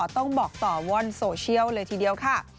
ต้องบอกต่อว่อนโซเชียลเลยทีเดียวค่ะ